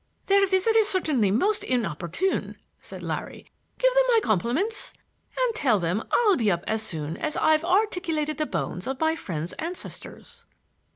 "Their visit is certainly most inopportune," said Larry. "Give them my compliments and tell them I'll be up as soon as I've articulated the bones of my friend's ancestors."